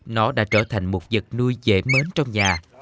nó đã trở thành một vật nuôi dễ mến trong nhà